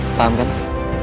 putri bawa pendek